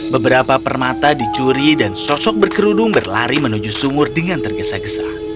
beberapa permata dicuri dan sosok berkerudung berlari menuju sumur dengan tergesa gesa